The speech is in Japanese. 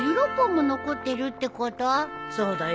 そうだよ。